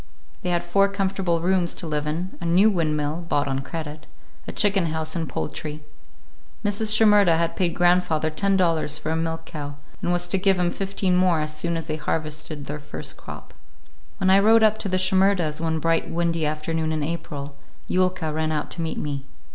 They had four comfortable rooms to live in, a new windmill,—bought on credit,—a chicken house and poultry. Mrs. Shimerda had paid grandfather ten dollars for a milk cow, and was to give him fifteen more as soon as they harvested their first crop. When I rode up to the Shimerdas' one bright windy afternoon in April, Yulka ran out to meet me.